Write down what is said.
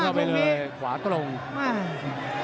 สวยมากลูกนี้